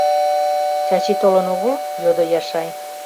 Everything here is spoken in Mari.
— Чачи толын огыл? — йодо Яшай.